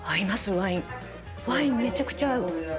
ワインめちゃくちゃ合う。